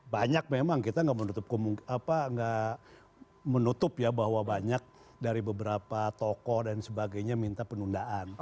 banyak memang kita nggak menutup ya bahwa banyak dari beberapa tokoh dan sebagainya minta penundaan